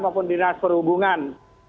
maupun dinas perhubungan